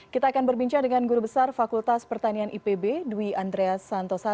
kita akan berbincang dengan guru besar fakultas pertanian ipb dwi andreas santosa